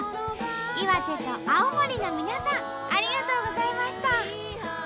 岩手と青森の皆さんありがとうございました！